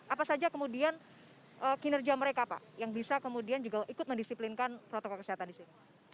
apa saja kemudian kinerja mereka pak yang bisa kemudian juga ikut mendisiplinkan protokol kesehatan di sini